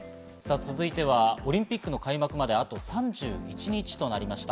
続いてオリンピックの開幕まであと３１日となりました。